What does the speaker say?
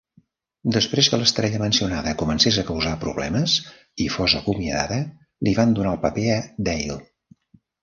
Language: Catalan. Després que l'estrella mencionada comences a "causar problemes" i fos acomiadada, li van donar el paper a Dale.